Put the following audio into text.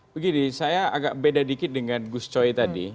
begini saya agak beda dikit dengan gus coy tadi